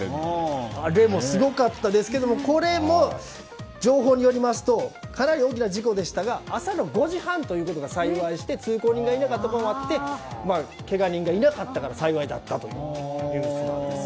あれもすごかったですけどもこれも情報によりますとかなり大きな事故でしたが朝の５時半ということが幸いして通行人がいなかったこともあってけが人がいなかったから幸いだったというニュースです。